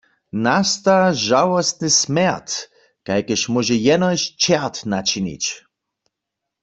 Nasta žałostny smjerd, kajkež móže jenož čert načinić.